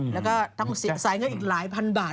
แล้วก็ต้องจ่ายเงินอีกหลายพันบาท